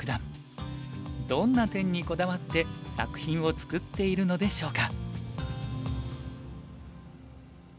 どんな点にこだわって作品をつくっているのでしょうか。